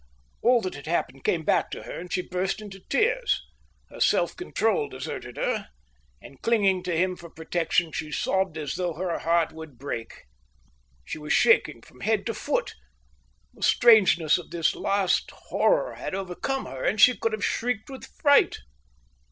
All that had happened came back to her, and she burst into tears. Her self control deserted her, and, clinging to him for protection, she sobbed as though her heart would break. She was shaking from head to foot. The strangeness of this last horror had overcome her, and she could have shrieked with fright.